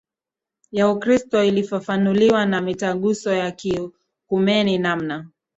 ya Ukristo ilifafanuliwa na Mitaguso ya kiekumeni namna